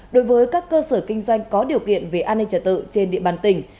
đối với các cơ sở kinh doanh có điều kiện về an ninh trả tự trên địa bàn tỉnh